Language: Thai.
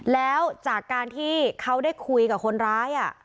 แล้วจากการที่เขาได้คุยกับคนร้าย